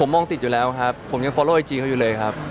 เมื่อจะลองเป็นคนเหมือนอื่น